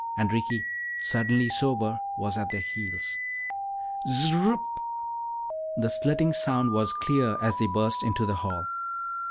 And Ricky, suddenly sober, was at their heels. Zzzzzrupp! The slitting sound was clear as they burst into the hall.